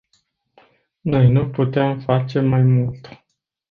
Noi nu putem face mai mult.